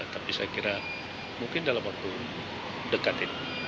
tapi saya kira mungkin dalam waktu dekat ini